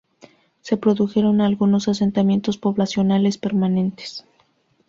Se produjeron algunos asentamientos poblacionales permanentes.